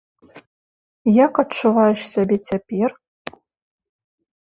Як адчуваеш сябе цяпер?